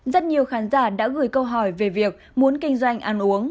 rất nhiều khán giả đã gửi câu hỏi về việc muốn kinh doanh ăn uống